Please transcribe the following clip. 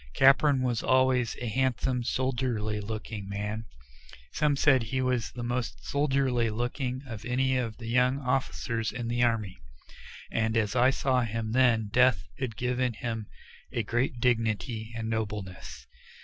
Capron was always a handsome, soldierly looking man some said that he was the most soldierly looking of any of the young officers in the army and as I saw him then death had given him a great dignity and nobleness.